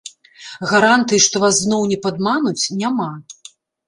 Гарантыі, што вас зноў не падмануць, няма.